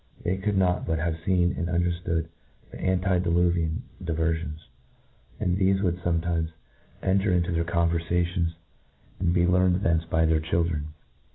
They could not but havefeen and underftood the antideluvian diverfions ; and thefe would fometimes enter into their conver&tions, and INTRODUCTION. 57 and be learned thence by their children.